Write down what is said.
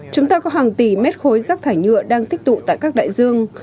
chúng ta có hàng tỷ mét khối rác thải nhựa đang tích tụ tại các đại dương